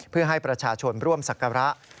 เพื่อให้ประชาชนร่วมศักระ